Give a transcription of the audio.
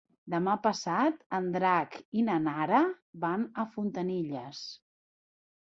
Demà passat en Drac i na Nara van a Fontanilles.